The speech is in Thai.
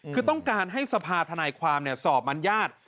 คือต้องการให้สภาธนายความสอบมันญาติ